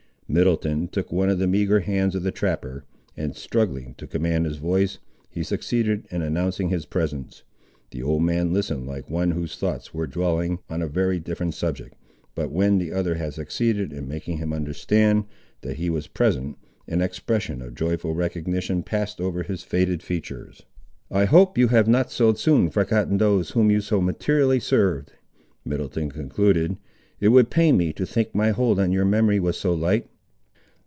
Middleton took one of the meagre hands of the trapper, and struggling to command his voice, he succeeded in announcing his presence. The old man listened like one whose thoughts were dwelling on a very different subject, but when the other had succeeded in making him understand, that he was present, an expression of joyful recognition passed over his faded features—"I hope you have not so soon forgotten those, whom you so materially served!" Middleton concluded. "It would pain me to think my hold on your memory was so light."